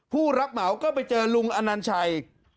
ผู้รับเหมาก็ไปเจอลุงอนัญชัย